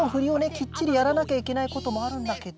きっちりやらなきゃいけないこともあるんだけど